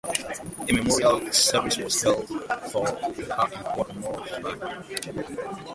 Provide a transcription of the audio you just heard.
A Memorial Service was held for her in Port Moresby.